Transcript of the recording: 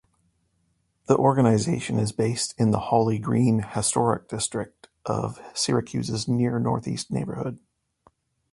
The organization is based in the Hawley-Green Historic District of Syracuse's Near Northeast neighborhood.